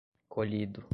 colhido